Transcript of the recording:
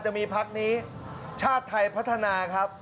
จะมีพักนี้ชาติไทยพัฒนาครับ